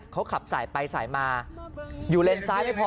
เขาขับสายไปสายมาอยู่เลนซ้ายไม่พอ